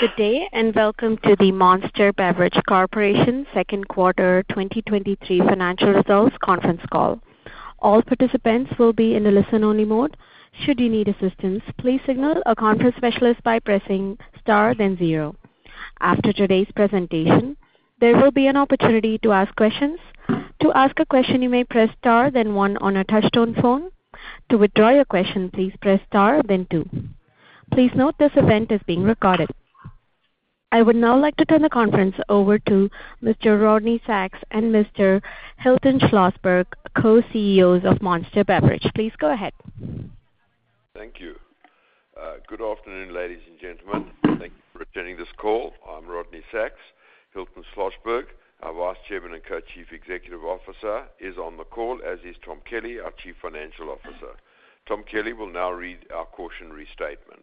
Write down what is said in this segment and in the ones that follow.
Good day, and welcome to the Monster Beverage Corporation Second Quarter 2023 Financial Results Conference Call. All participants will be in the listen-only mode. Should you need assistance, please signal a conference specialist by pressing Star, then 0. After today's presentation, there will be an opportunity to ask questions. To ask a question, you may press Star, then 1 on a touchtone phone. To withdraw your question, please press Star, then 2. Please note, this event is being recorded. I would now like to turn the conference over to Mr. Rodney Sacks and Mr. Hilton Schlosberg, co-CEOs of Monster Beverage. Please go ahead. Thank you. good afternoon, ladies and gentlemen. Thank you for attending this call. I'm Rodney Sacks. Hilton Schlosberg, our Vice Chairman and Co-Chief Executive Officer, is on the call, as is Tom Kelly, our Chief Financial Officer. Tom Kelly will now read our cautionary statement.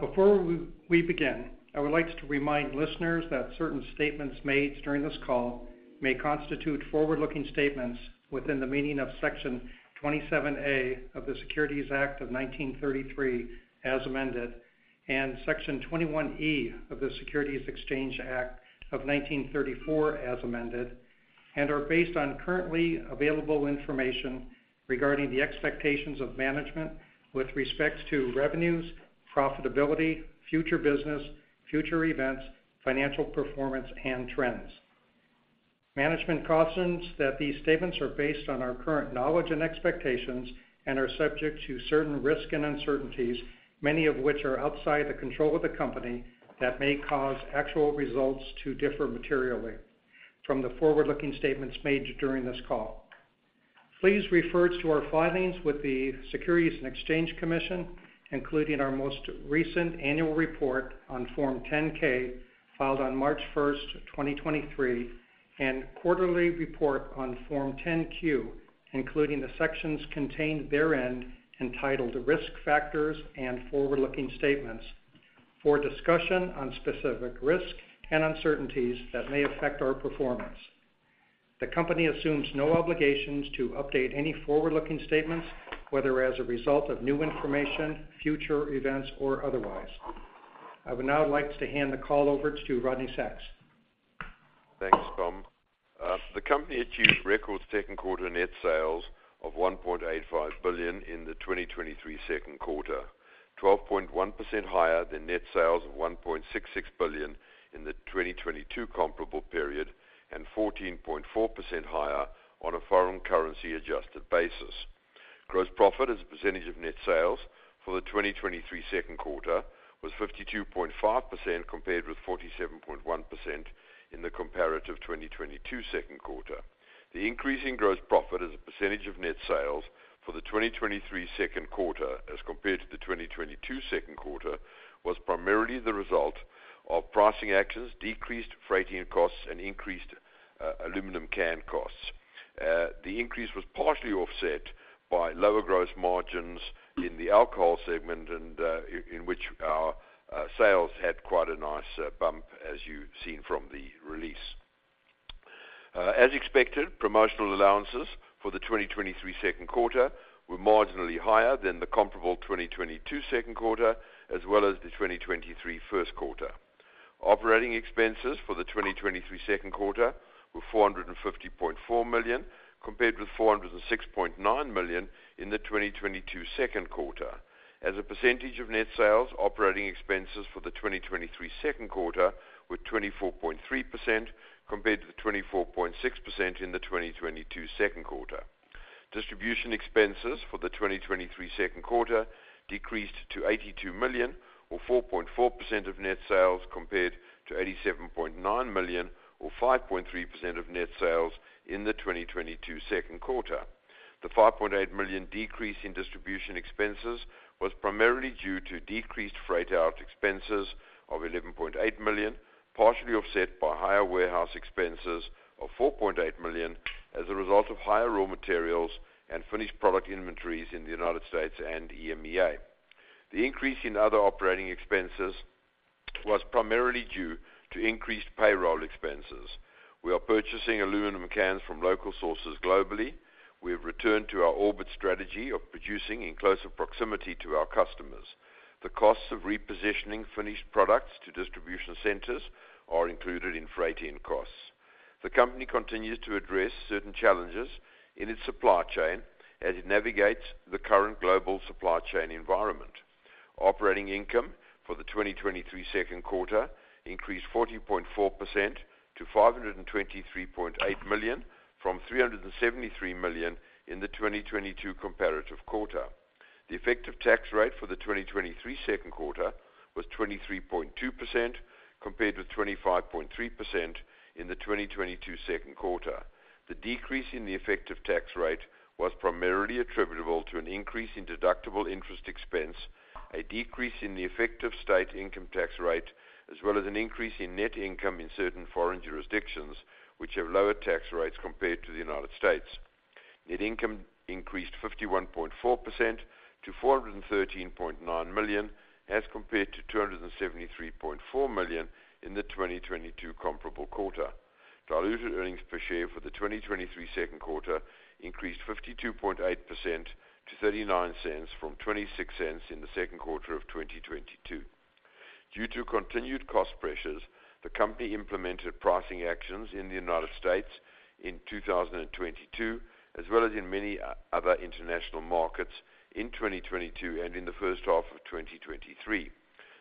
Before we, we begin, I would like to remind listeners that certain statements made during this call may constitute forward-looking statements within the meaning of Section 27A of the Securities Act of 1933, as amended, and Section 21E of the Securities Exchange Act of 1934, as amended, and are based on currently available information regarding the expectations of management with respects to revenues, profitability, future business, future events, financial performance, and trends. Management cautions that these statements are based on our current knowledge and expectations and are subject to certain risk and uncertainties, many of which are outside the control of the company, that may cause actual results to differ materially from the forward-looking statements made during this call. Please refer to our filings with the Securities and Exchange Commission, including our most recent annual report on Form 10-K, filed on March 1st, 2023, and quarterly report on Form 10-Q, including the sections contained therein, entitled Risk Factors and Forward-Looking Statements, for discussion on specific risks and uncertainties that may affect our performance. The company assumes no obligations to update any forward-looking statements, whether as a result of new information, future events, or otherwise. I would now like to hand the call over to Rodney Sacks. Thanks, Tom. The company achieved record second quarter net sales of $1.85 billion in the 2023 second quarter, 12.1% higher than net sales of $1.66 billion in the 2022 comparable period, and 14.4% higher on a foreign currency adjusted basis. Gross profit as a percentage of net sales for the 2023 second quarter was 52.5%, compared with 47.1% in the comparative 2022 second quarter. The increase in gross profit as a percentage of net sales for the 2023 second quarter, as compared to the 2022 second quarter, was primarily the result of pricing actions, decreased freighting costs, and increased aluminum can costs. The increase was partially offset by lower gross margins in the alcohol segment and, in, in which our sales had quite a nice bump, as you've seen from the release. As expected, promotional allowances for the 2023 second quarter were marginally higher than the comparable 2022 second quarter, as well as the 2023 first quarter. Operating expenses for the 2023 second quarter were $450.4 million, compared with $406.9 million in the 2022 second quarter. As a percentage of net sales, operating expenses for the 2023 second quarter were 24.3%, compared to the 24.6% in the 2022 second quarter. Distribution expenses for the 2023 second quarter decreased to $82 million, or 4.4% of net sales, compared to $87.9 million, or 5.3% of net sales in the 2022 second quarter. The $5.8 million decrease in distribution expenses was primarily due to decreased freight out expenses of $11.8 million, partially offset by higher warehouse expenses of $4.8 million, as a result of higher raw materials and finished product inventories in the United States and EMEA. The increase in other operating expenses was primarily due to increased payroll expenses. We are purchasing aluminum cans from local sources globally. We have returned to our orbit strategy of producing in closer proximity to our customers. The costs of repositioning finished products to distribution centers are included in freight in costs. The company continues to address certain challenges in its supply chain as it navigates the current global supply chain environment. Operating income for the 2023 second quarter increased 40.4% to $523.8 million, from $373 million in the 2022 comparative quarter. The effective tax rate for the 2023 second quarter was 23.2%, compared with 25.3% in the 2022 second quarter. The decrease in the effective tax rate was primarily attributable to an increase in deductible interest expense, a decrease in the effective state income tax rate, as well as an increase in net income in certain foreign jurisdictions, which have lower tax rates compared to the United States. Net income increased 51.4% to $413.9 million, as compared to $273.4 million in the 2022 comparable quarter. Diluted earnings per share for the 2023 second quarter increased 52.8% to $0.39 from $0.26 in the second quarter of 2022. Due to continued cost pressures, the company implemented pricing actions in the United States in 2022, as well as in many other international markets in 2022 and in the first half of 2023.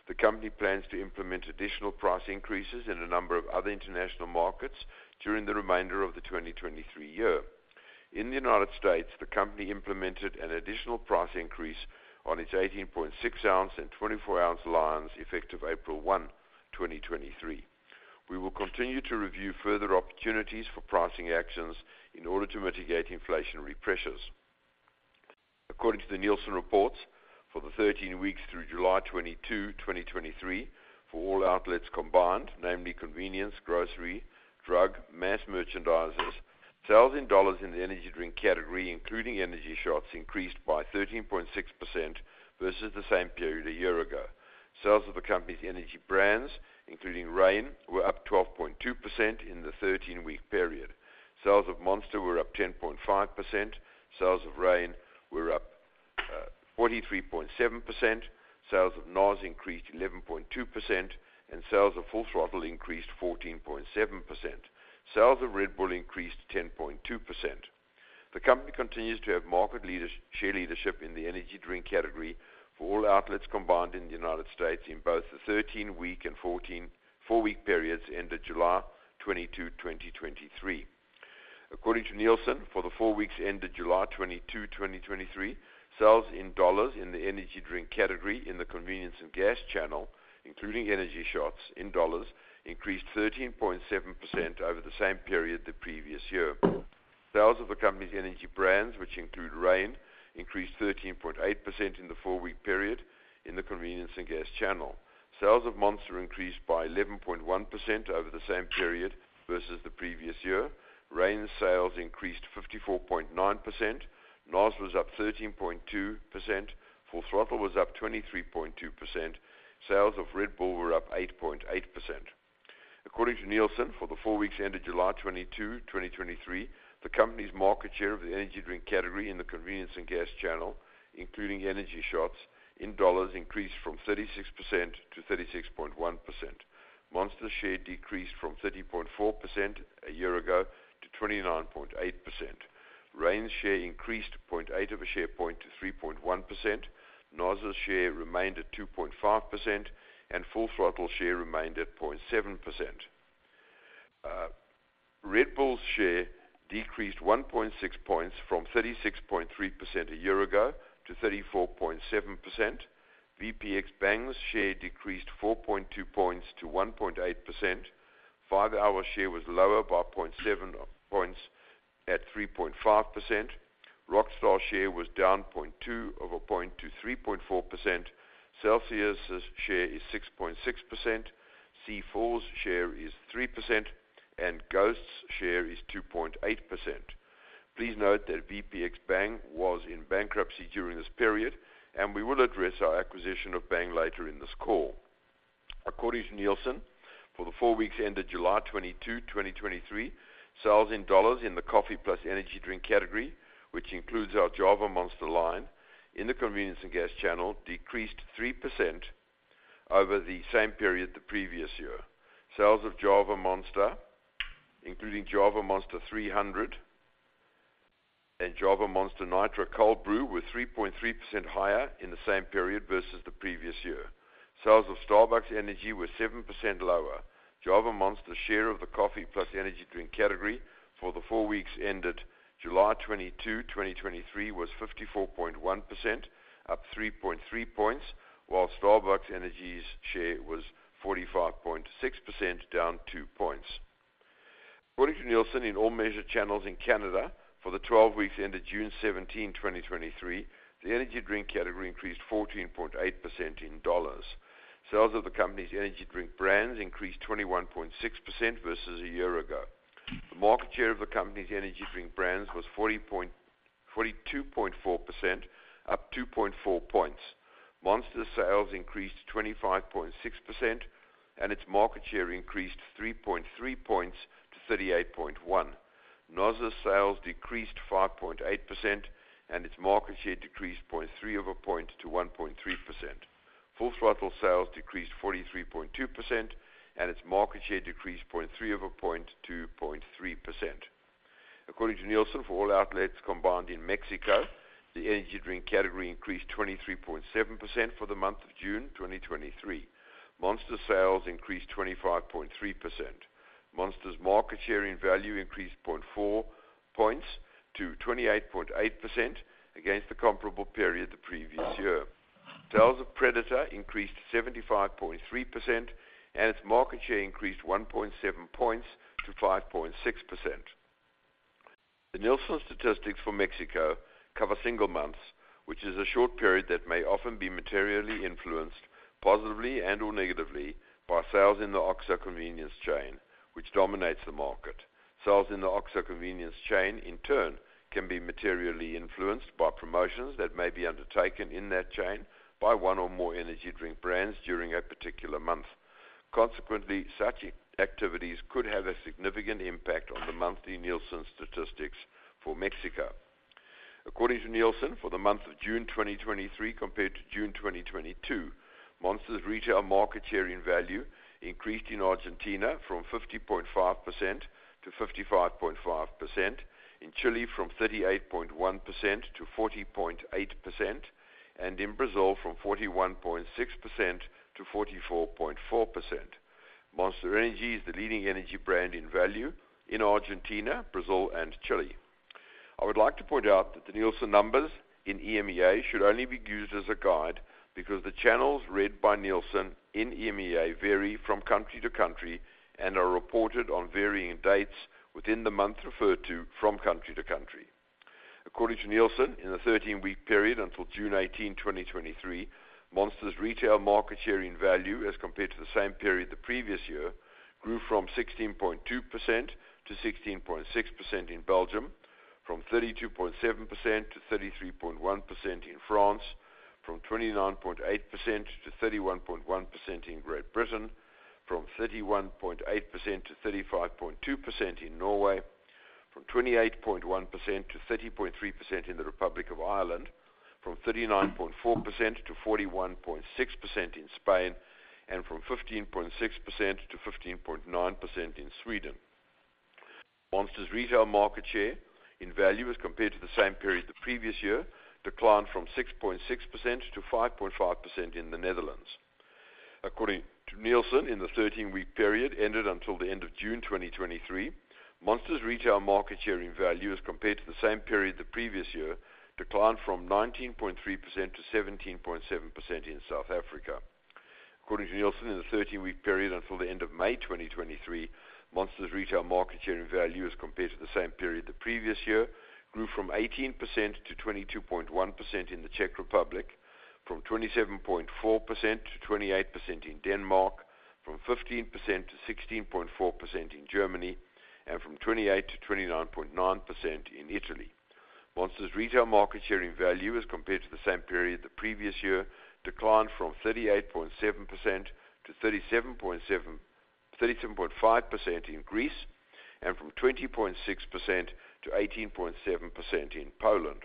The company plans to implement additional price increases in a number of other international markets during the remainder of the 2023 year. In the United States, the company implemented an additional price increase on its 18.6 ounce and 24 ounce lines, effective April 1, 2023. We will continue to review further opportunities for pricing actions in order to mitigate inflationary pressures. According to the Nielsen reports, for the 13 weeks through July 22, 2023, for all outlets combined, namely convenience, grocery, drug, mass merchandisers, sales in dollars in the energy drink category, including energy shots, increased by 13.6% versus the same period a year ago. Sales of the company's energy brands, including Reign, were up 12.2% in the 13-week period. Sales of Monster were up 10.5%. Sales of Reign were up 43.7%. Sales of NOS increased 11.2%, and sales of Full Throttle increased 14.7%. Sales of Red Bull increased 10.2%. The company continues to have market share leadership in the energy drink category for all outlets combined in the United States in both the 13-week and 4-week periods ended July 22, 2023. According to Nielsen, for the 4 weeks ended July 22, 2023, sales in dollars in the energy drink category in the convenience and gas channel, including energy shots in dollars, increased 13.7% over the same period the previous year. Sales of the company's energy brands, which include Reign, increased 13.8% in the 4-week period in the convenience and gas channel. Sales of Monster increased by 11.1% over the same period versus the previous year. Reign's sales increased 54.9%, NOS was up 13.2%, Full Throttle was up 23.2%. Sales of Red Bull were up 8.8%. According to Nielsen, for the 4 weeks ended July 22, 2023, the company's market share of the energy drink category in the convenience and gas channel, including energy shots, in dollars, increased from 36%-36.1%. Monster share decreased from 30.4% a year ago to 29.8%. Reign's share increased 0.8 of a share point to 3.1%. NOS's share remained at 2.5%, and Full Throttle share remained at 0.7%. Red Bull's share decreased 1.6 points from 36.3% a year ago to 34.7%. VPX Bang's share decreased 4.2 points to 1.8%. 5-hour share was lower by 0.7 points at 3.5%. Rockstar share was down 0.2 of a point to 3.4%. Celsius's share is 6.6%, C4's share is 3%, and Ghost's share is 2.8%. Please note that VPX Bang was in bankruptcy during this period, and we will address our acquisition of Bang later in this call. According to Nielsen, for the 4 weeks ended July 22, 2023, sales in dollars in the coffee plus energy drink category, which includes our Java Monster line in the convenience and gas channel, decreased 3% over the same period the previous year. Sales of Java Monster, including Java Monster 300 and Java Monster Nitro Cold Brew, were 3.3% higher in the same period versus the previous year. Sales of Starbucks Energy were 7% lower. Java Monster share of the coffee plus energy drink category for the 4 weeks ended July 22, 2023, was 54.1%, up 3.3 points, while Starbucks Energy's share was 45.6%, down 2 points. According to Nielsen, in all measured channels in Canada for the 12 weeks ended June 17, 2023, the energy drink category increased 14.8% in dollars. Sales of the company's energy drink brands increased 21.6% versus a year ago. The market share of the company's energy drink brands was 42.4%, up 2.4 points. Monster sales increased 25.6%, and its market share increased 3.3 points to 38.1%. NOS's sales decreased 5.8%, and its market share decreased 0.3 of a point to 1.3%. Full Throttle sales decreased 43.2%, and its market share decreased 0.3 points to 0.3%. According to Nielsen, for all outlets combined in Mexico, the energy drink category increased 23.7% for the month of June 2023. Monster sales increased 25.3%. Monster's market share in value increased 0.4 points to 28.8% against the comparable period the previous year. Sales of Predator increased 75.3%, and its market share increased 1.7 points to 5.6%. The Nielsen statistics for Mexico cover single months, which is a short period that may often be materially influenced, positively and/or negatively, by sales in the OXXO convenience chain, which dominates the market.... Sales in the OXXO convenience chain, in turn, can be materially influenced by promotions that may be undertaken in that chain by one or more energy drink brands during a particular month. Consequently, such activities could have a significant impact on the monthly Nielsen statistics for Mexico. According to Nielsen, for the month of June 2023 compared to June 2022, Monster's retail market share in value increased in Argentina from 50.5%-55.5%, in Chile from 38.1%-40.8%, and in Brazil from 41.6%-44.4%. Monster Energy is the leading energy brand in value in Argentina, Brazil, and Chile. I would like to point out that the Nielsen numbers in EMEA should only be used as a guide, because the channels read by Nielsen in EMEA vary from country to country and are reported on varying dates within the month referred to from country to country. According to Nielsen, in the 13-week period until June 18, 2023, Monster's retail market share in value as compared to the same period the previous year, grew from 16.2%-16.6% in Belgium, from 32.7%-33.1% in France, from 29.8%-31.1% in Great Britain, from 31.8%-35.2% in Norway, from 28.1%-30.3% in the Republic of Ireland, from 39.4%-41.6% in Spain, and from 15.6%-15.9% in Sweden. Monster's retail market share in value as compared to the same period the previous year, declined from 6.6%-5.5% in the Netherlands. According to Nielsen, in the 13-week period ended until the end of June 2023, Monster's retail market share in value as compared to the same period the previous year, declined from 19.3%-17.7% in South Africa. According to Nielsen, in the 13-week period until the end of May 2023, Monster's retail market share in value as compared to the same period the previous year, grew from 18%-22.1% in the Czech Republic, from 27.4%-28% in Denmark, from 15%-16.4% in Germany, and from 28%-29.9% in Italy. Monster's retail market share in value as compared to the same period the previous year, declined from 38.7% to 37.5% in Greece and from 20.6% to 18.7% in Poland.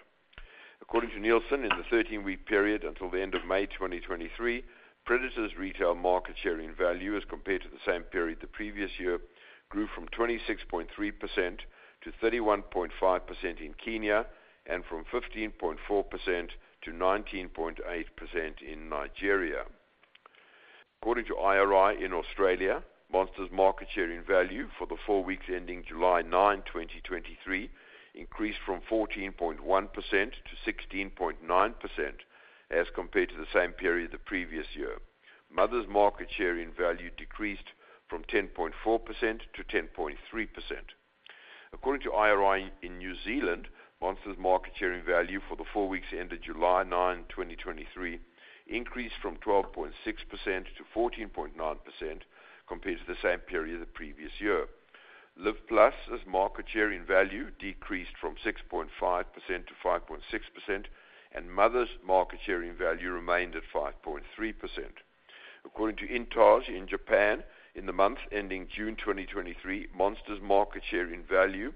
According to Nielsen, in the 13-week period until the end of May 2023, Predator's retail market share in value as compared to the same period the previous year, grew from 26.3% to 31.5% in Kenya and from 15.4%-19.8% in Nigeria. According to IRI in Australia, Monster's market share in value for the four weeks ending July 9, 2023, increased from 14.1%-16.9% as compared to the same period the previous year. Mother's market share in value decreased from 10.4%-10.3%. According to IRI in New Zealand, Monster's market share in value for the four weeks ended July 9, 2023, increased from 12.6%-14.9% compared to the same period the previous year. Lift Plus market share in value decreased from 6.5%-5.6%, and Mother's market share in value remained at 5.3%. According to INTAGE in Japan, in the month ending June 2023, Monster's market share in value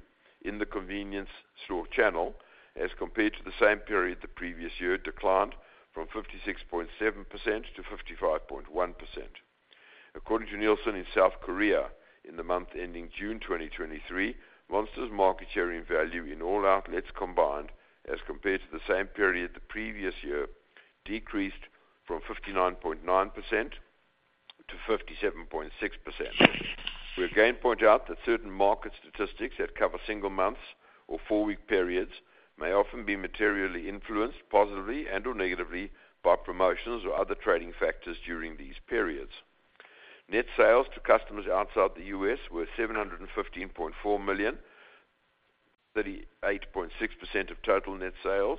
in the convenience store channel as compared to the same period the previous year, declined from 56.7%-55.1%. According to Nielsen in South Korea, in the month ending June 2023, Monster's market share in value in all outlets combined as compared to the same period the previous year, decreased from 59.9%-57.6%. We again point out that certain market statistics that cover single months or four-week periods may often be materially influenced, positively and/or negatively, by promotions or other trading factors during these periods. Net sales to customers outside the U.S. were $715.4 million, 38.6% of total net sales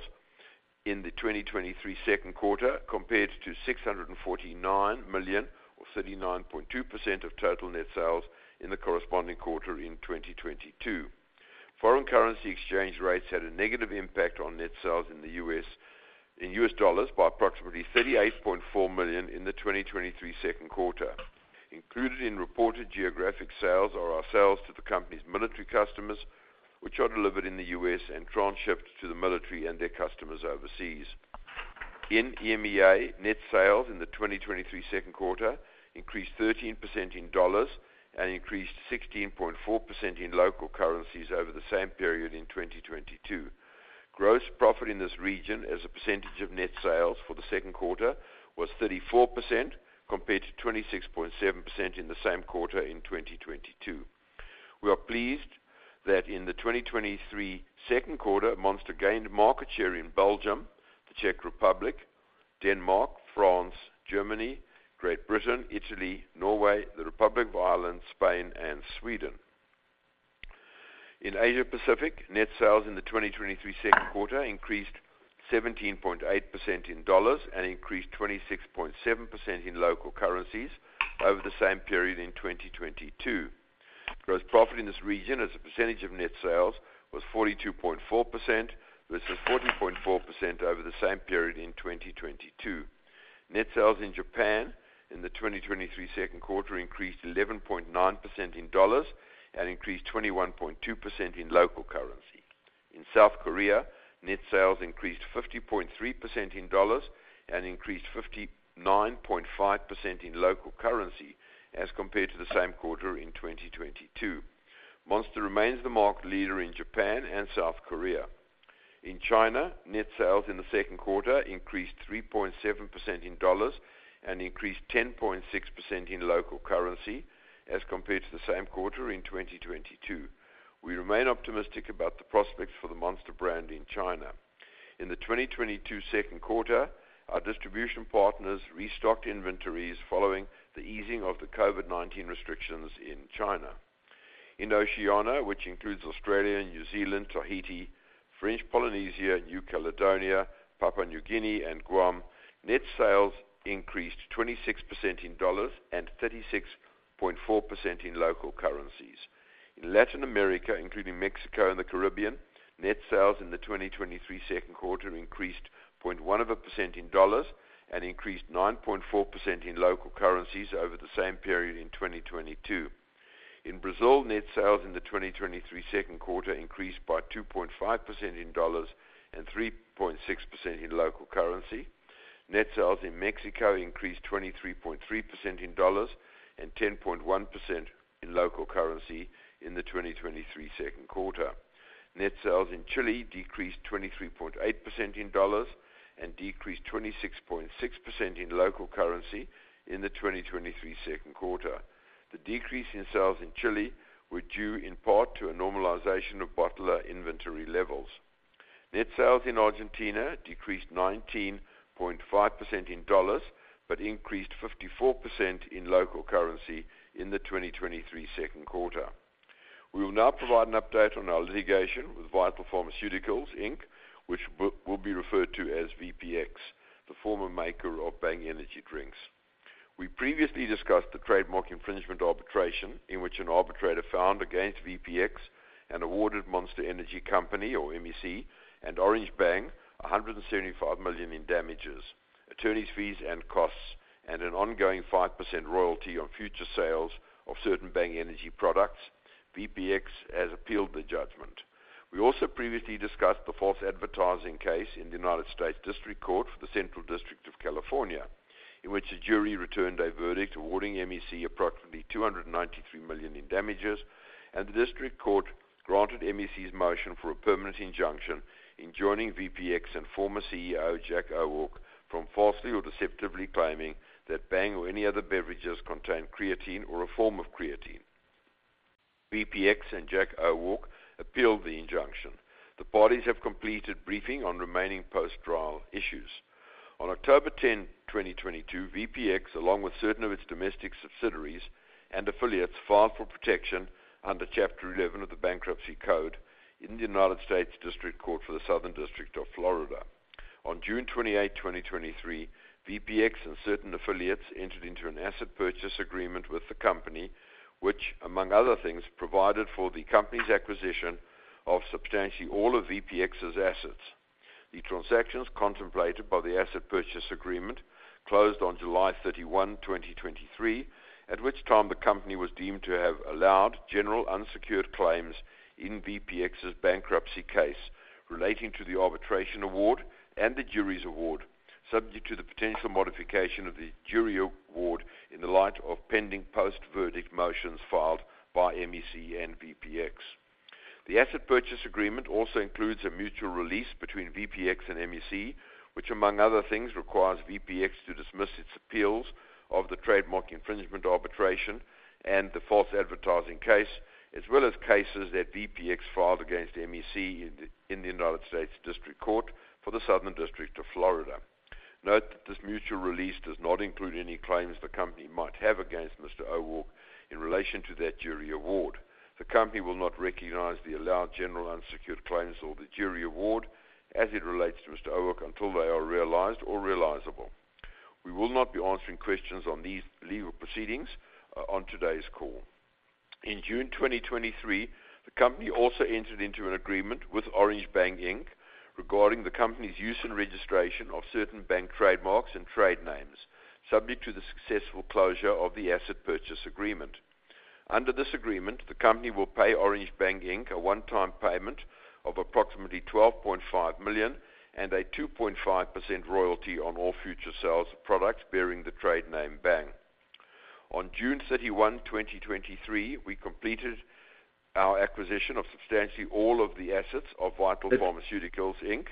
in the 2023 second quarter, compared to $649 million or 39.2% of total net sales in the corresponding quarter in 2022. Foreign currency exchange rates had a negative impact on net sales in U.S. dollars by approximately $38.4 million in the 2023 second quarter. Included in reported geographic sales are our sales to the company's military customers, which are delivered in the U.S. and transshipped to the military and their customers overseas. In EMEA, net sales in the 2023 second quarter increased 13% in dollars and increased 16.4% in local currencies over the same period in 2022. Gross profit in this region as a percentage of net sales for the second quarter was 34%, compared to 26.7% in the same quarter in 2022. We are pleased that in the 2023 second quarter, Monster gained market share in Belgium, the Czech Republic, Denmark, France, Germany, Great Britain, Italy, Norway, the Republic of Ireland, Spain, and Sweden. In Asia Pacific, net sales in the 2023 second quarter increased 17.8% in dollars and increased 26.7% in local currencies over the same period in 2022. Gross profit in this region as a percentage of net sales, was 42.4%, versus 40.4% over the same period in 2022. Net sales in Japan in the 2023 second quarter increased 11.9% in dollars and increased 21.2% in local currency. In South Korea, net sales increased 50.3% in $ and increased 59.5% in local currency as compared to the same quarter in 2022. Monster remains the market leader in Japan and South Korea. In China, net sales in the second quarter increased 3.7% in $ and increased 10.6% in local currency as compared to the same quarter in 2022. We remain optimistic about the prospects for the Monster brand in China. In the 2022 second quarter, our distribution partners restocked inventories following the easing of the COVID-19 restrictions in China. In Oceania, which includes Australia, New Zealand, Tahiti, French Polynesia, New Caledonia, Papua New Guinea, and Guam, net sales increased 26% in $ and 36.4% in local currencies. In Latin America, including Mexico and the Caribbean, net sales in the 2023 second quarter increased 0.1% in dollars and increased 9.4% in local currencies over the same period in 2022. In Brazil, net sales in the 2023 second quarter increased by 2.5% in dollars and 3.6% in local currency. Net sales in Mexico increased 23.3% in dollars and 10.1% in local currency in the 2023 second quarter. Net sales in Chile decreased 23.8% in dollars and decreased 26.6% in local currency in the 2023 second quarter. The decrease in sales in Chile were due in part to a normalization of bottler inventory levels. Net sales in Argentina decreased 19.5% in $, but increased 54% in local currency in the 2023 second quarter. We will now provide an update on our litigation with Vital Pharmaceuticals, Inc, which will be referred to as VPX, the former maker of Bang Energy drinks. We previously discussed the trademark infringement arbitration, in which an arbitrator found against VPX and awarded Monster Energy Company, or MEC, and Orange Bang, $175 million in damages, attorneys' fees and costs, and an ongoing 5% royalty on future sales of certain Bang Energy products. VPX has appealed the judgment. We also previously discussed the false advertising case in the United States District Court for the Central District of California, in which a jury returned a verdict awarding MEC approximately $293 million in damages, and the district court granted MEC's motion for a permanent injunction, enjoining VPX and former CEO, Jack Owoc, from falsely or deceptively claiming that Bang or any other beverages contain creatine or a form of creatine. VPX and Jack Owoc appealed the injunction. The parties have completed briefing on remaining post-trial issues. On October 10, 2022, VPX, along with certain of its domestic subsidiaries and affiliates, filed for protection under Chapter Eleven of the Bankruptcy Code in the United States District Court for the Southern District of Florida. On June 28, 2023, VPX and certain affiliates entered into an asset purchase agreement with the company, which, among other things, provided for the company's acquisition of substantially all of VPX's assets. The transactions contemplated by the asset purchase agreement closed on July 31, 2023, at which time the company was deemed to have allowed general unsecured claims in VPX's bankruptcy case relating to the arbitration award and the jury's award, subject to the potential modification of the jury award in the light of pending post-verdict motions filed by MEC and VPX. The asset purchase agreement also includes a mutual release between VPX and MEC, which, among other things, requires VPX to dismiss its appeals of the trademark infringement arbitration and the false advertising case, as well as cases that VPX filed against MEC in the United States District Court for the Southern District of Florida. Note that this mutual release does not include any claims the company might have against Mr. Owoc in relation to that jury award. The company will not recognize the allowed general unsecured claims or the jury award as it relates to Mr. Owoc, until they are realized or realizable. We will not be answering questions on these legal proceedings on today's call. In June 2023, the company also entered into an agreement with Orange Bang, Inc. regarding the company's use and registration of certain Bang trademarks and trade names, subject to the successful closure of the asset purchase agreement. Under this agreement, the company will pay Orange Bang, Inc. a one-time payment of approximately $12.5 million and a 2.5% royalty on all future sales of products bearing the trade name Bang. On June 31, 2023, we completed our acquisition of substantially all of the assets of Vital Pharmaceuticals, Inc.,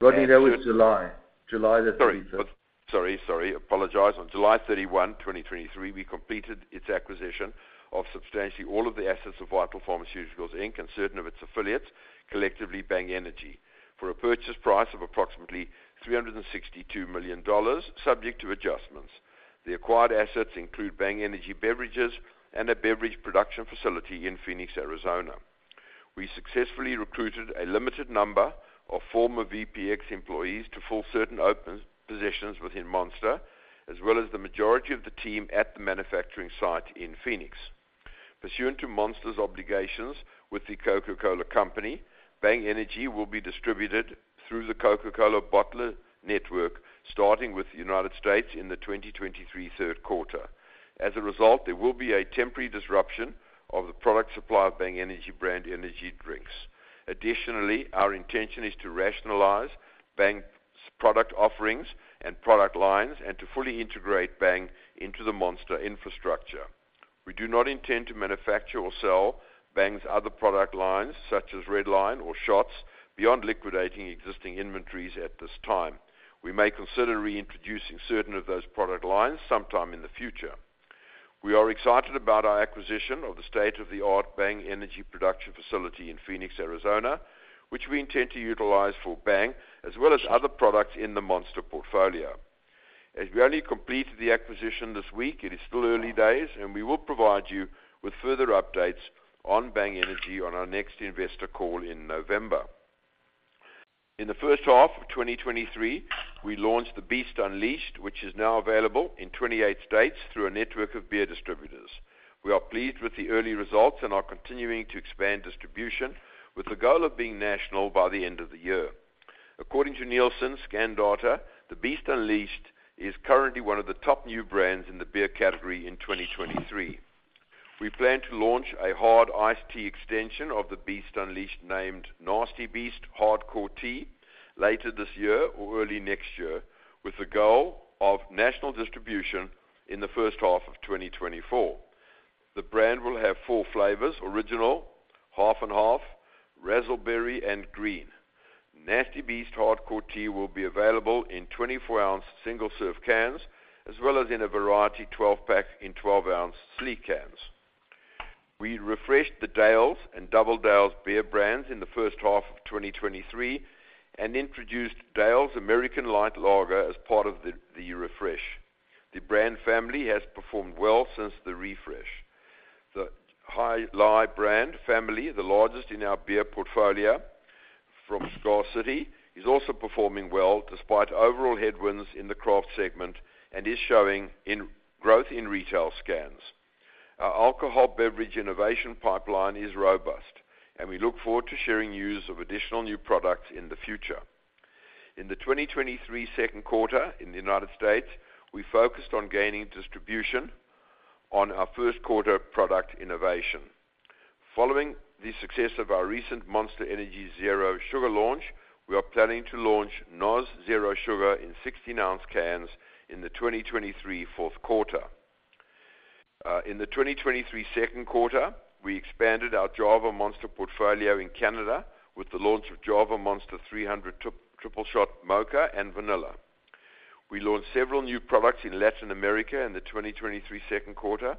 Rodney, that was July. July the 31st. Sorry, sorry. Apologize. On July 31, 2023, we completed its acquisition of substantially all of the assets of Vital Pharmaceuticals, Inc., and certain of its affiliates, collectively, Bang Energy, for a purchase price of approximately $362 million, subject to adjustments. The acquired assets include Bang Energy beverages and a beverage production facility in Phoenix, Arizona. We successfully recruited a limited number of former VPX employees to fill certain open positions within Monster, as well as the majority of the team at the manufacturing site in Phoenix. Pursuant to Monster's obligations with The Coca-Cola Company, Bang Energy will be distributed through the Coca-Cola bottler network, starting with the United States in the 2023 third quarter. As a result, there will be a temporary disruption of the product supply of Bang Energy brand energy drinks. Additionally, our intention is to rationalize Bang's product offerings and product lines, and to fully integrate Bang into the Monster infrastructure. We do not intend to manufacture or sell Bang's other product lines, such as Redline or Shots, beyond liquidating existing inventories at this time. We may consider reintroducing certain of those product lines sometime in the future. We are excited about our acquisition of the state-of-the-art Bang Energy production facility in Phoenix, Arizona, which we intend to utilize for Bang as well as other products in the Monster portfolio. As we only completed the acquisition this week, it is still early days, and we will provide you with further updates on Bang Energy on our next investor call in November. In the first half of 2023, we launched The Beast Unleashed, which is now available in 28 states through a network of beer distributors. We are pleased with the early results and are continuing to expand distribution, with the goal of being national by the end of the year. According to Nielsen scanned data, The Beast Unleashed is currently one of the top new brands in the beer category in 2023. We plan to launch a hard iced tea extension of The Beast Unleashed, named Nasty Beast Hardcore Tea, later this year or early next year, with the goal of national distribution in the first half of 2024. The brand will have 4 flavors: Original, Half & Half, Razzle Berry, and Green. Nasty Beast Hardcore Tea will be available in 24 ounce single-serve cans, as well as in a variety 12-pack in 12-ounce sleeve cans. We refreshed the Dale's and Double Dale's beer brands in the first half of 2023 and introduced Dale's American Light Lager as part of the refresh. The brand family has performed well since the refresh. Jai Alai brand family, the largest in our beer portfolio from Cigar City, is also performing well despite overall headwinds in the craft segment and is showing growth in retail scans. Our alcohol beverage innovation pipeline is robust, and we look forward to sharing news of additional new products in the future. In the 2023 second quarter in the United States, we focused on gaining distribution on our first quarter product innovation. Following the success of our recent Monster Energy Zero Sugar launch, we are planning to launch NOS Zero Sugar in 16-ounce cans in the 2023 fourth quarter. In the 2023 second quarter, we expanded our Java Monster portfolio in Canada with the launch of Java Monster 300 Triple Shot Mocha and Vanilla. We launched several new products in Latin America in the 2023 second quarter.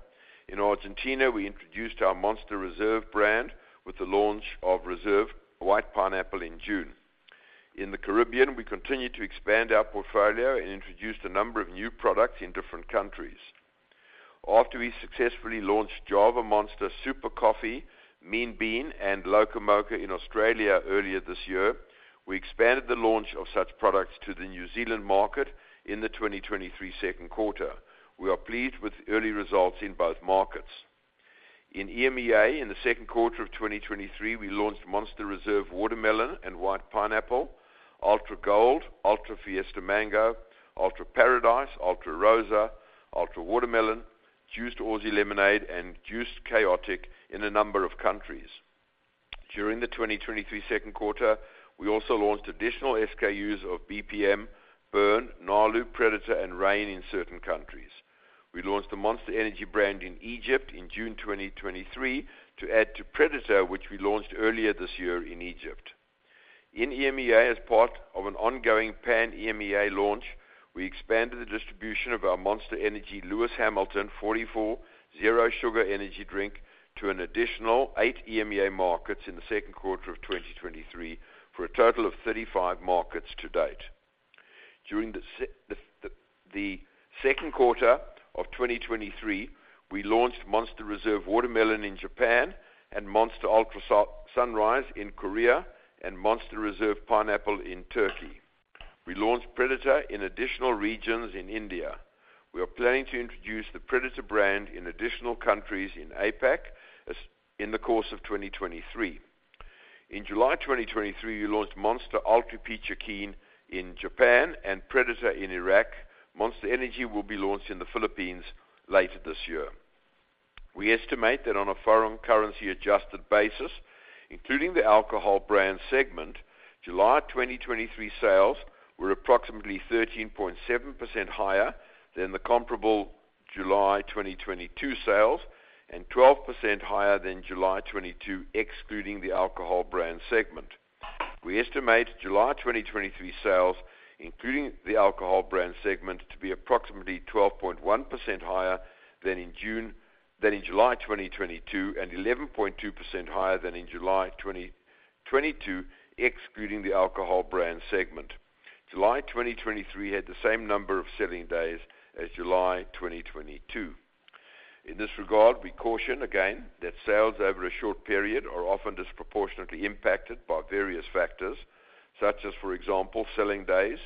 In Argentina, we introduced our Monster Reserve brand with the launch of Reserve White Pineapple in June. In the Caribbean, we continued to expand our portfolio and introduced a number of new products in different countries. After we successfully launched Java Monster Super Coffee, Mean Bean, and Loca Moca in Australia earlier this year, we expanded the launch of such products to the New Zealand market in the 2023 second quarter. We are pleased with early results in both markets. In EMEA, in the 2Q 2023, we launched Monster Reserve Watermelon and White Pineapple, Ultra Gold, Ultra Fiesta Mango, Ultra Paradise, Ultra Rosa, Ultra Watermelon, Juiced Aussie Lemonade, and Juiced Chaotic in a number of countries. During the 2Q 2023, we also launched additional SKUs of BPM, Burn, Nalu, Predator, and Reign in certain countries. We launched the Monster Energy brand in Egypt in June 2023 to add to Predator, which we launched earlier this year in Egypt. In EMEA, as part of an ongoing pan-EMEA launch, we expanded the distribution of our Monster Energy Lewis Hamilton 44 Zero Sugar energy drink to an additional 8 EMEA markets in the 2Q 2023, for a total of 35 markets to date. During the second quarter of 2023, we launched Monster Reserve Watermelon in Japan and Monster Ultra Sunrise in Korea and Monster Reserve Pineapple in Turkey. We launched Predator in additional regions in India. We are planning to introduce the Predator brand in additional countries in APAC in the course of 2023. In July 2023, we launched Monster Ultra Peachy Keen in Japan and Predator in Iraq. Monster Energy will be launched in the Philippines later this year. We estimate that on a foreign currency adjusted basis, including the alcohol brand segment, July 2023 sales were approximately 13.7% higher than the comparable July 2022 sales, and 12% higher than July 2022, excluding the alcohol brand segment. We estimate July 2023 sales, including the alcohol brand segment, to be approximately 12.1% higher than in July 2022, and 11.2% higher than in July 2022, excluding the alcohol brand segment. July 2023 had the same number of selling days as July 2022. In this regard, we caution again that sales over a short period are often disproportionately impacted by various factors, such as, for example, selling days,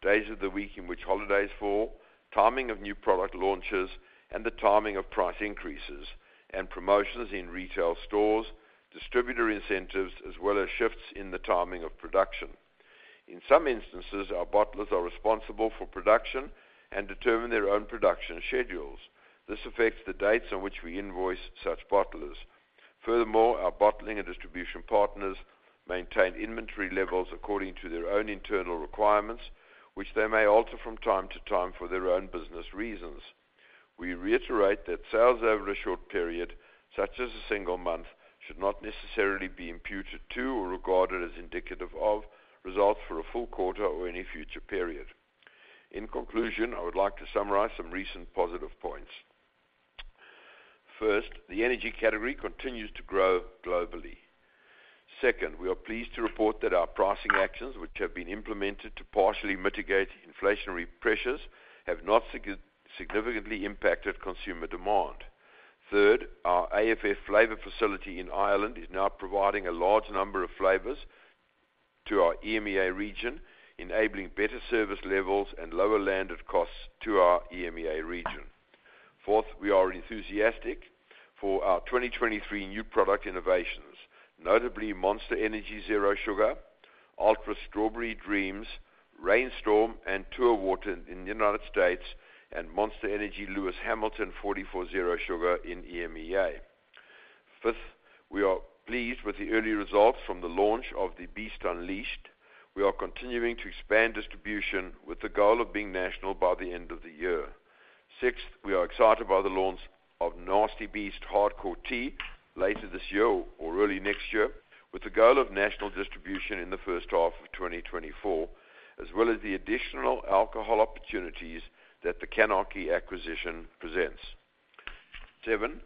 days of the week in which holidays fall, timing of new product launches, and the timing of price increases and promotions in retail stores, distributor incentives, as well as shifts in the timing of production. In some instances, our bottlers are responsible for production and determine their own production schedules. This affects the dates on which we invoice such bottlers. Furthermore, our bottling and distribution partners maintain inventory levels according to their own internal requirements, which they may alter from time to time for their own business reasons. We reiterate that sales over a short period, such as a single month, should not necessarily be imputed to, or regarded as indicative of, results for a full quarter or any future period. In conclusion, I would like to summarize some recent positive points. First, the energy category continues to grow globally. Second, we are pleased to report that our pricing actions, which have been implemented to partially mitigate inflationary pressures, have not significantly impacted consumer demand. Third, our AFF flavor facility in Ireland is now providing a large number of flavors to our EMEA region, enabling better service levels and lower landed costs to our EMEA region. Fourth, we are enthusiastic for our 2023 new product innovations, notably Monster Energy Zero Sugar, Ultra Strawberry Dreams, Reign Storm, and Tour Water in the United States, and Monster Energy Lewis Hamilton 44 Zero Sugar in EMEA. Fifth, we are pleased with the early results from the launch of The Beast Unleashed. We are continuing to expand distribution with the goal of being national by the end of the year. Sixth, we are excited by the launch of Nasty Beast Hardcore Tea later this year or early next year, with the goal of national distribution in the first half of 2024, as well as the additional alcohol opportunities that the CANarchy Craft Brewery Collective acquisition presents. Seven,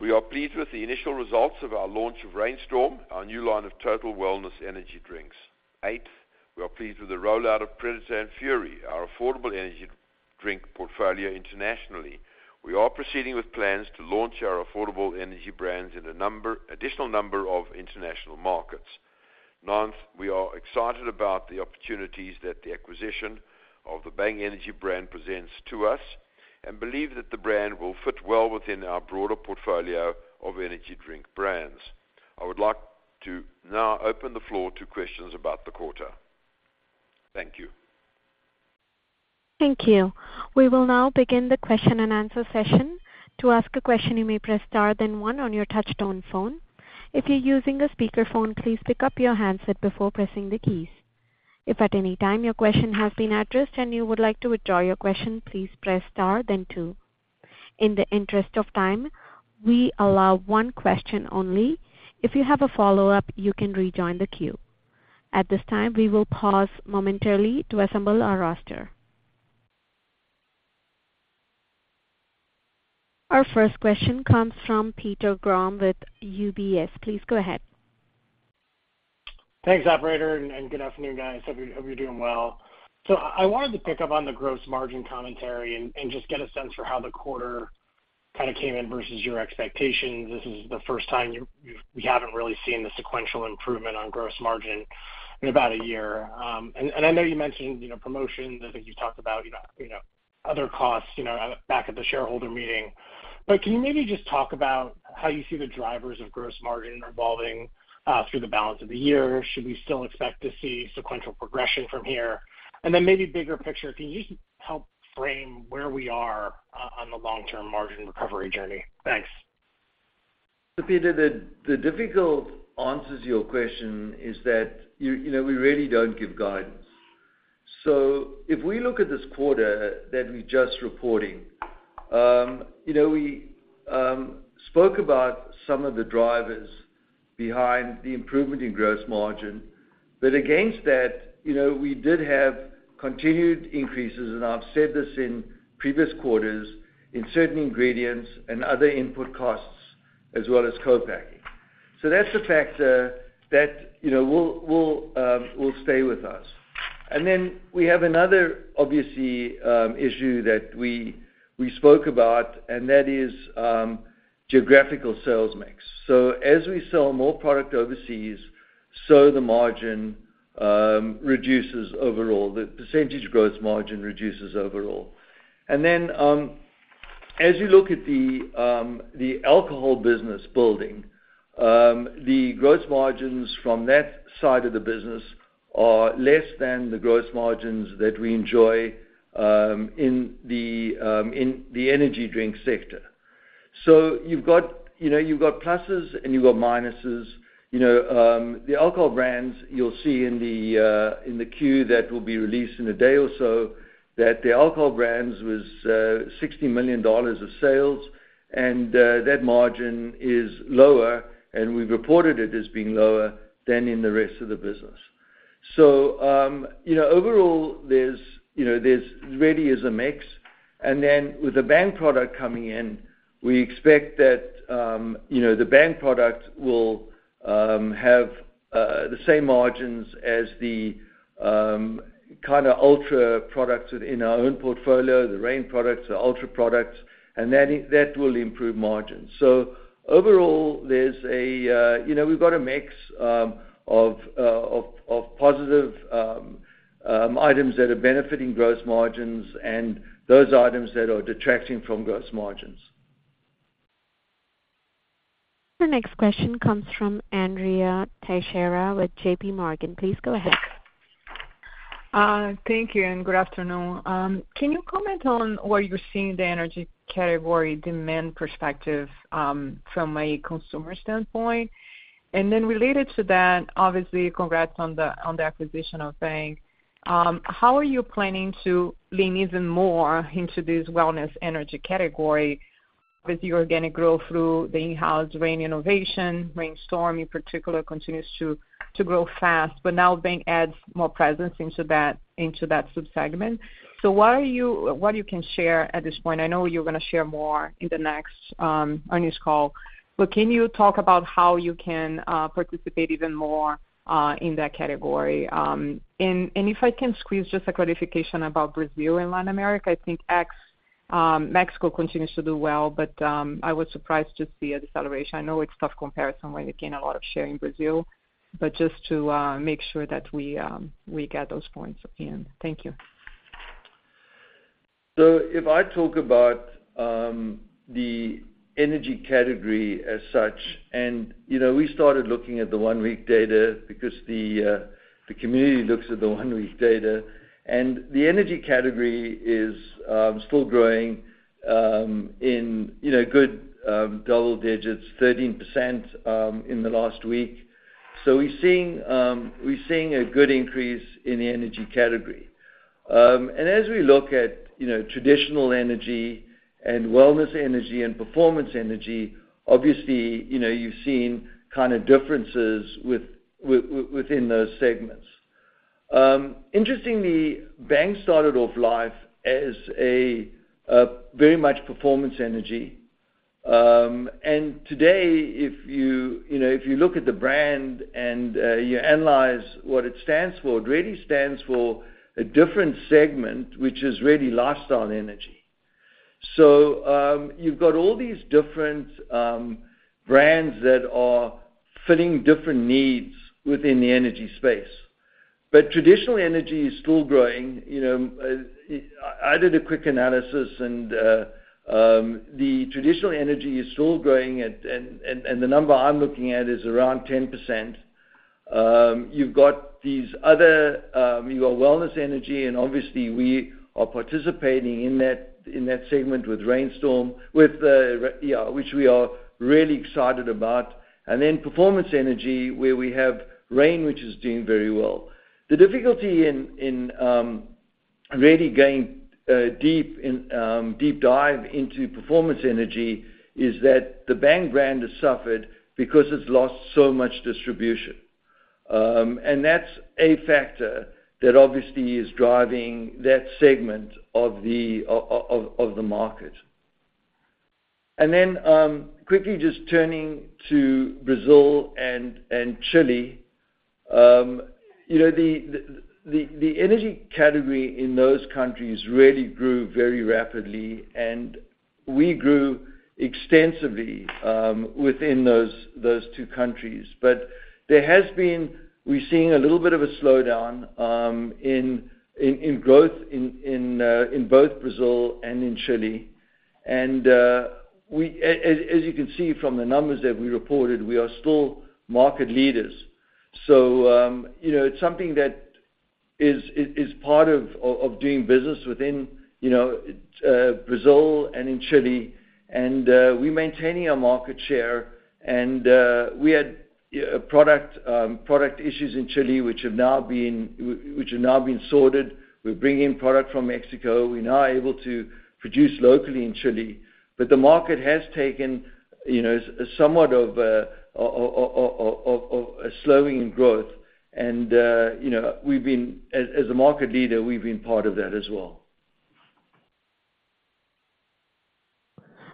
we are pleased with the initial results of our launch of Reign Storm, our new line of total wellness energy drinks. Eighth, we are pleased with the rollout of Predator and Fury, our affordable energy drink portfolio internationally. We are proceeding with plans to launch our affordable energy brands in an additional number of international markets. Ninth, we are excited about the opportunities that the acquisition of the Bang Energy brand presents to us, and believe that the brand will fit well within our broader portfolio of energy drink brands. I would like to now open the floor to questions about the quarter. Thank you. Thank you. We will now begin the question-and-answer session. To ask a question, you may press star, then 1 on your touchtone phone. If you're using a speakerphone, please pick up your handset before pressing the keys. If at any time your question has been addressed and you would like to withdraw your question, please press star then 2. In the interest of time, we allow 1 question only. If you have a follow-up, you can rejoin the queue. At this time, we will pause momentarily to assemble our roster. Our first question comes from Peter Grom with UBS. Please go ahead. Thanks, operator, good afternoon, guys. Hope you're doing well. I wanted to pick up on the gross margin commentary and just get a sense for how the quarter kind of came in versus your expectations. This is the first time we haven't really seen the sequential improvement on gross margin in about a year. I know you mentioned, you know, promotions. I think you talked about, you know, you know, other costs, you know, back at the shareholder meeting. Can you maybe just talk about how you see the drivers of gross margin evolving through the balance of the year? Should we still expect to see sequential progression from here? Then maybe bigger picture, can you help frame where we are on the long-term margin recovery journey? Thanks. Peter, the difficult answer to your question is that, you know, we really don't give guidance. If we look at this quarter that we're just reporting, you know, we spoke about some of the drivers behind the improvement in gross margin. Against that, you know, we did have continued increases, and I've said this in previous quarters, in certain ingredients and other input costs, as well as co-packing. That's a factor that, you know, will stay with us. Then we have another, obviously, issue that we spoke about, and that is geographical sales mix. As we sell more product overseas, so the margin reduces overall, the percentage gross margin reduces overall. As you look at the alcohol business building, the gross margins from that side of the business are less than the gross margins that we enjoy in the energy drink sector. You've got, you know, you've got pluses and you've got minuses. You know, the alcohol brands, you'll see in the Q that will be released in a day or so, that the alcohol brands was $60 million of sales, and that margin is lower, and we've reported it as being lower than in the rest of the business. So, you know, overall, there's, you know, there's really is a mix. Then with the Bang product coming in, we expect that, you know, the Bang product will have the same margins as the kinda Ultra products in our own portfolio, the Reign products, the Ultra products, and that, that will improve margins. Overall, there's a, you know, we've got a mix of of positive items that are benefiting gross margins and those items that are detracting from gross margins. Our next question comes from Andrea Teixeira with JPMorgan. Please go ahead. Thank you, good afternoon. Can you comment on where you're seeing the energy category demand perspective from a consumer standpoint? Then related to that, obviously, congrats on the acquisition of Bang. How are you planning to lean even more into this wellness energy category with your organic growth through the in-house Reign innovation? Reign Storm, in particular, continues to grow fast, now Bang adds more presence into that, into that sub-segment. What you can share at this point? I know you're gonna share more in the next on your call, can you talk about how you can participate even more in that category? And if I can squeeze just a clarification about Brazil and Latin America, I think X, Mexico continues to do well, but I was surprised to see a deceleration. I know it's tough comparison where you gain a lot of share in Brazil, but just to make sure that we get those points in. Thank you. If I talk about the energy category as such, you know, we started looking at the one-week data because the community looks at the one-week data. The energy category is still growing, in, you know, good, double digits, 13%, in the last week. We're seeing a good increase in the energy category. As we look at, you know, traditional energy and wellness energy and performance energy, obviously, you know, you've seen kinda differences within those segments. Interestingly, Bang started off life as a very much performance energy. Today, if you, you know, if you look at the brand and you analyze what it stands for, it really stands for a different segment, which is really lifestyle energy. You've got all these different brands that are filling different needs within the energy space. Traditional energy is still growing. You know, I, I did a quick analysis and the traditional energy is still growing, and, and, and the number I'm looking at is around 10%. You've got these other, your wellness energy, and obviously, we are participating in that, in that segment with Reign Storm, with, yeah, which we are really excited about. Then performance energy, where we have Reign, which is doing very well. The difficulty in, in really going deep in deep dive into performance energy is that the Bang brand has suffered because it's lost so much distribution. That's a factor that obviously is driving that segment of the, of, of, of the market. Then, quickly just turning to Brazil and Chile. You know, the, the, the energy category in those countries really grew very rapidly, and we grew extensively within those, those two countries. There has been... We're seeing a little bit of a slowdown in, in, in growth in, in both Brazil and in Chile. We, as, as you can see from the numbers that we reported, we are still market leaders. You know, it's something that is, is, is part of, of, of doing business within, you know, Brazil and in Chile, and we're maintaining our market share. We had product, product issues in Chile, which have now been, which have now been sorted. We're bringing in product from Mexico. We're now able to produce locally in Chile, but the market has taken, you know, somewhat of a slowing in growth, and, you know, we've been as a market leader, we've been part of that as well.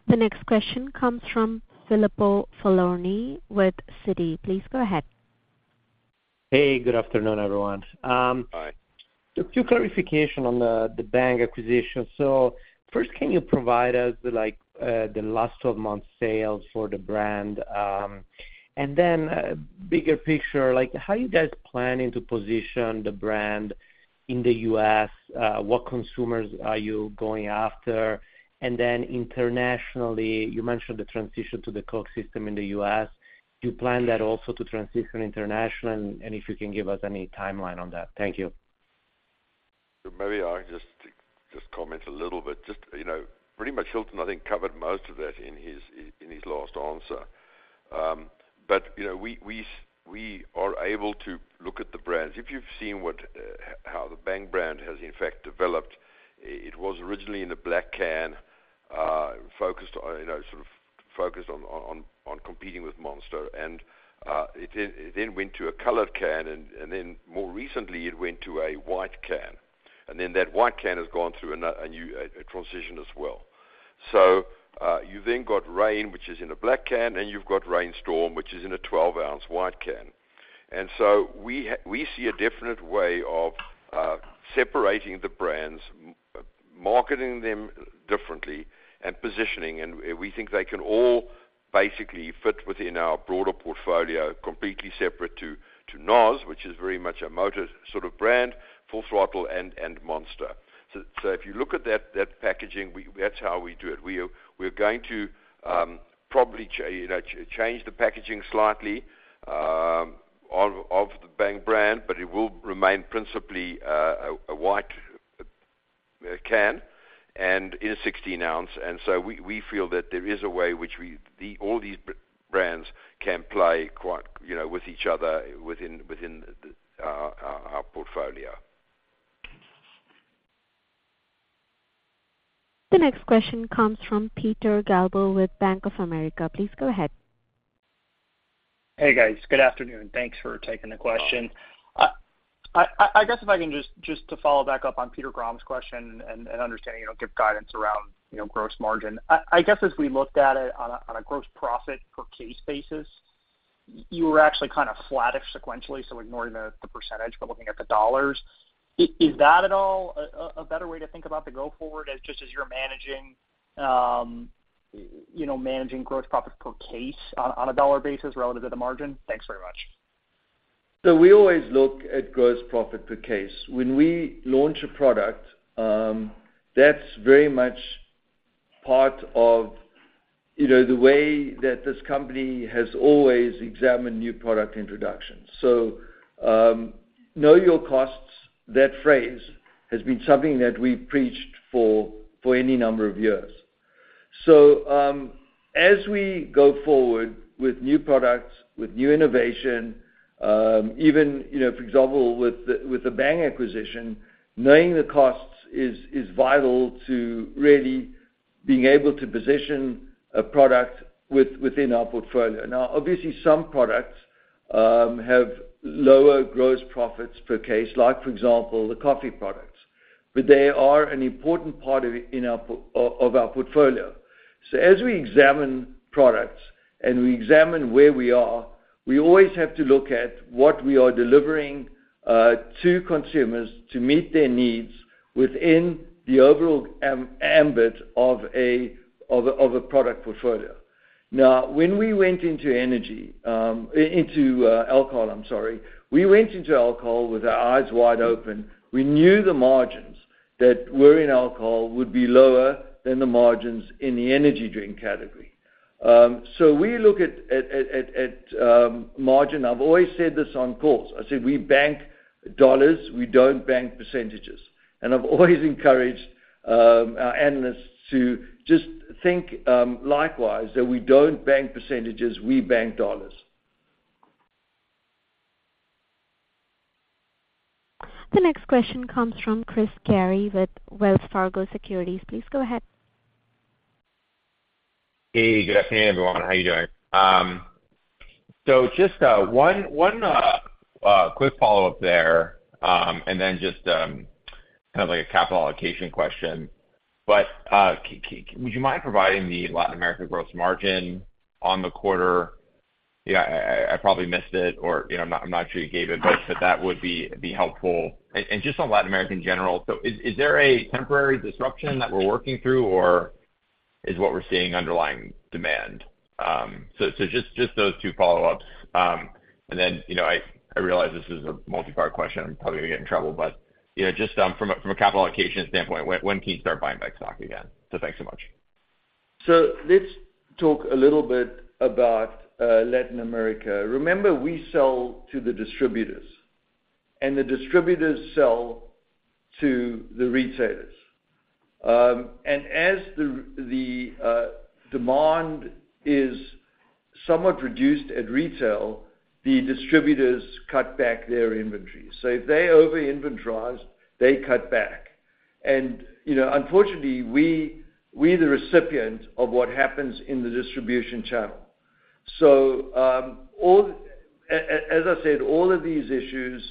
The next question comes from Filippo Falorni with Citi. Please go ahead. Hey, good afternoon, everyone. Hi. A few clarification on the, the Bang acquisition. First, can you provide us with, like, the last 12 months sales for the brand? Then, bigger picture, like, how are you guys planning to position the brand in the U.S.? What consumers are you going after? Then internationally, you mentioned the transition to the Coke system in the U.S. Do you plan that also to transition internationally? If you can give us any timeline on that. Thank you. Maybe I can just comment a little bit. You know, pretty much Hilton, I think, covered most of that in his, in his last answer. You know, we are able to look at the brands. If you've seen what how the Bang brand has, in fact, developed, it was originally in a black can. Focused on, you know, sort of focused on, on, on competing with Monster. It then, it then went to a colored can, and then more recently, it went to a white can. Then that white can has gone through a new transition as well. You've then got Reign, which is in a black can, and you've got Reign Storm, which is in a 12-ounce white can. We ha- we see a different way of separating the brands, marketing them differently and positioning, and we think they can all basically fit within our broader portfolio, completely separate to NOS, which is very much a motor sort of brand, Full Throttle and Monster. If you look at that packaging, that's how we do it. We are, we're going to, probably you know, change the packaging slightly, of, of the Bang brand, but it will remain principally, a, a white, can and in a 16 ounce. So we, we feel that there is a way which we, the, all these brands can play quite, you know, with each other within, within, our, our portfolio. The next question comes from Peter Galbo with Bank of America. Please go ahead. Hey, guys. Good afternoon. Thanks for taking the question. I guess if I can just to follow back up on Peter Grom's question and understanding you don't give guidance around, you know, gross margin. I guess, as we looked at it on a gross profit per case basis, you were actually kind of flattish sequentially, so ignoring the percentage, but looking at the dollars. Is that at all a better way to think about the go forward as just as you're managing, you know, managing gross profit per case on a dollar basis relative to the margin? Thanks very much. We always look at gross profit per case. When we launch a product, that's very much part of, you know, the way that this company has always examined new product introductions. Know your costs. That phrase has been something that we've preached for, for any number of years. As we go forward with new products, with new innovation, even, you know, for example, with the, with the Bang acquisition, knowing the costs is, is vital to really being able to position a product within our portfolio. Obviously, some products have lower gross profits per case, like, for example, the coffee products, but they are an important part of it in our portfolio. As we examine products and we examine where we are, we always have to look at what we are delivering to consumers to meet their needs within the overall ambit of a product portfolio. When we went into energy, into alcohol, I'm sorry, we went into alcohol with our eyes wide open. We knew the margins that were in alcohol would be lower than the margins in the energy drink category. We look at margin. I've always said this on calls. I said, "We bank dollars, we don't bank percentages." I've always encouraged our analysts to just think likewise, that we don't bank percentages, we bank dollars. The next question comes from Chris Carey with Wells Fargo Securities. Please go ahead. Hey, good afternoon, everyone. How are you doing? Just one, one quick follow-up there, and then just kind of like a capital allocation question. Would you mind providing the Latin America gross margin on the quarter? Yeah, I, I, I probably missed it, or, you know, I'm not, I'm not sure you gave it, but that would be, be helpful. And just on Latin America in general, is, is there a temporary disruption that we're working through, or is what we're seeing underlying demand? So just, just those two follow-ups. Then, you know, I, I realize this is a multipart question. I'm probably gonna get in trouble, but, you know, just from a, from a capital allocation standpoint, when, when can you start buying back stock again? Thanks so much. Let's talk a little bit about Latin America. Remember, we sell to the distributors, and the distributors sell to the retailers. As the demand is somewhat reduced at retail, the distributors cut back their inventory. If they over-inventorize, they cut back. You know, unfortunately, we, we're the recipient of what happens in the distribution channel. As I said, all of these issues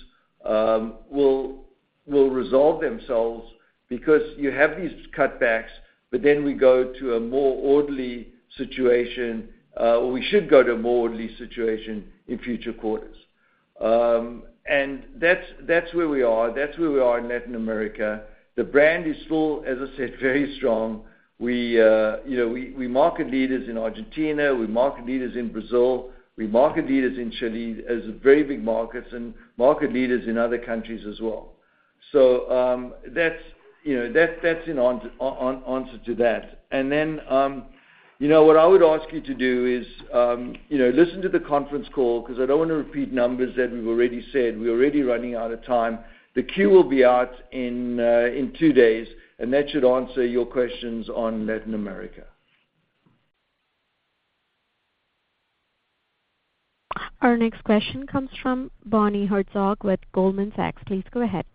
will resolve themselves because you have these cutbacks, but then we go to a more orderly situation, or we should go to a more orderly situation in future quarters. That's, that's where we are. That's where we are in Latin America. The brand is still, as I said, very strong. We, you know, we, we market leaders in Argentina, we market leaders in Brazil, we market leaders in Chile, as very big markets, and market leaders in other countries as well. That's, you know, that's, that's an on- on- answer to that. What I would ask you to do is, you know, listen to the conference call because I don't want to repeat numbers that we've already said. We're already running out of time. The Q will be out in 2 days, and that should answer your questions on Latin America. Our next question comes from Bonnie Herzog with Goldman Sachs. Please go ahead.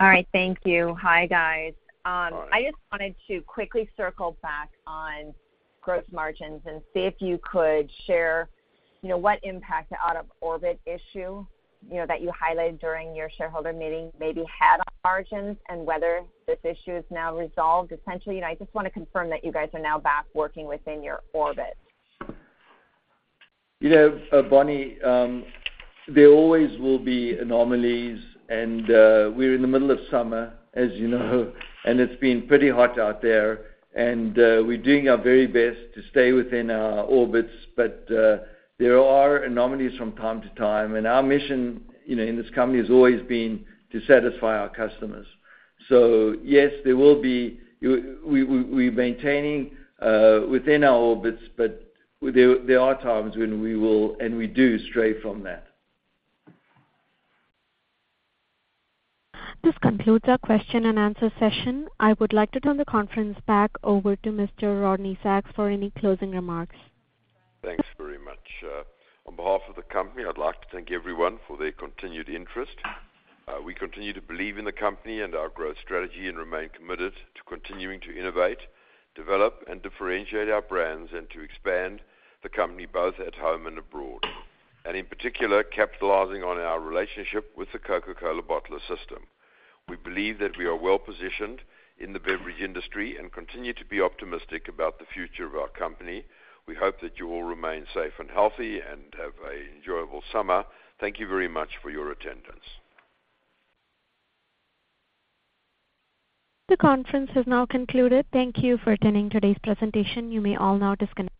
All right, thank you. Hi, guys. I just wanted to quickly circle back on gross margins and see if you could share, you know, what impact the out-of-orbit issue, you know, that you highlighted during your shareholder meeting, maybe had on margins and whether this issue is now resolved. Essentially, I just want to confirm that you guys are now back working within your orbit? You know, Bonnie, there always will be anomalies, and we're in the middle of summer, as you know, and it's been pretty hot out there, and we're doing our very best to stay within our orbits. There are anomalies from time to time, and our mission, you know, in this company has always been to satisfy our customers. Yes, there will be... We, we, we're maintaining within our orbits, but there, there are times when we will, and we do stray from that. This concludes our question and answer session. I would like to turn the conference back over to Mr. Rodney Sacks for any closing remarks. Thanks very much. On behalf of the company, I'd like to thank everyone for their continued interest. We continue to believe in the company and our growth strategy and remain committed to continuing to innovate, develop, and differentiate our brands and to expand the company both at home and abroad. In particular, capitalizing on our relationship with the Coca-Cola bottling system. We believe that we are well-positioned in the beverage industry and continue to be optimistic about the future of our company. We hope that you all remain safe and healthy and have an enjoyable summer. Thank you very much for your attendance. The conference has now concluded. Thank you for attending today's presentation. You may all now disconnect.